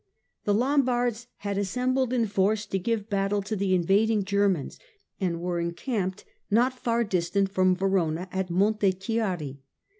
The Lombards had assembled in force to give battle to the invading Germans, and were encamped not far distant from Verona, at Montechiari.